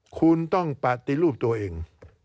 คุณต้องปฏิรูปตัวเอง